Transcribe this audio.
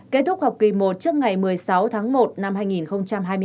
kết thúc học kỳ một trước ngày một mươi sáu tháng một năm hai nghìn hai mươi hai